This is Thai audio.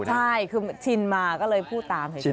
ใช่คือชินมาก็เลยพูดตามเฉย